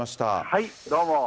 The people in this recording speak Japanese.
はい、どうも。